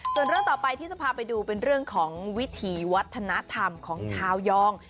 ส่วนเรื่องต่อไปที่จะพาไปดูเป็นเรื่องของวิถีวัฒนธรรมของชาวยอง